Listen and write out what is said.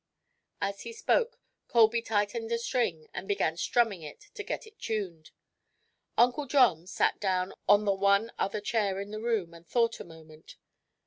As he spoke, Colby tightened a string and began strumming it to get it tuned. Uncle John sat down on the one other chair in the room and thought a moment.